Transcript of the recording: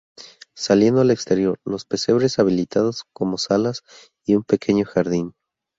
Saliendo al exterior los pesebres habilitados como salas y un pequeño jardín.